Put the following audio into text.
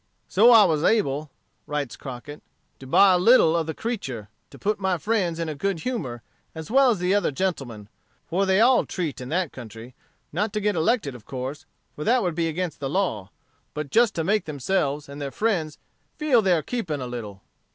"So I was able," writes Crockett, "to buy a little of the 'creature,' to put my friends in a good humor, as well as the other gentlemen, for they all treat in that country; not to get elected, of course, for that would be against the law, but just to make themselves and their friends feel their keeping a little."